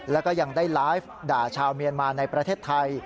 แล้วก็ยังได้ไลฟ์ด่าชาวเมียนมาในประเทศไทย